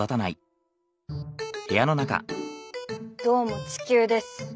どうも地球です。